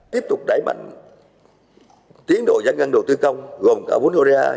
tiếp tục đẩy mạnh tiến đội giãn ngăn đầu tư công gồm cả vốn korea